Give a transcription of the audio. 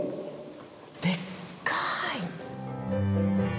でっかい！